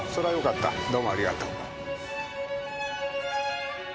どうもありがとう。